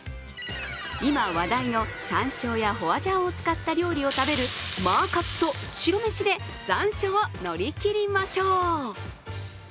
今、話題のさんしょうやホワジャオを使った料理を食べるマー活と白めしで残暑を乗り切りましょう。